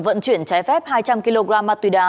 vận chuyển trái phép hai trăm linh kg mặt tùy đá